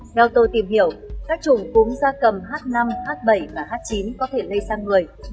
theo tôi tìm hiểu các chủng cúm da cầm h năm h bảy và h chín có thể lây sang người